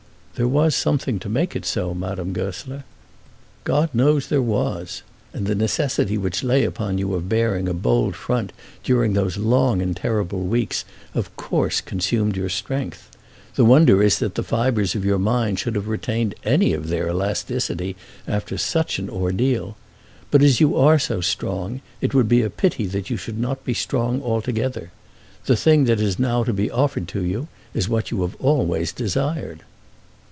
"There was something to make it so, Madame Goesler." "God knows there was; and the necessity which lay upon you of bearing a bold front during those long and terrible weeks of course consumed your strength. The wonder is that the fibres of your mind should have retained any of their elasticity after such an ordeal. But as you are so strong, it would be a pity that you should not be strong altogether. This thing that is now to be offered to you is what you have always desired."